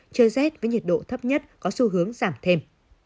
trời rét với nhiệt độ thấp nhất có xu hướng giảm thêm